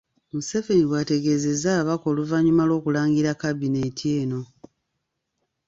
Museveni bw’ategeezezza ababaka oluvannyuma lw’okulangirira kabineeti eno.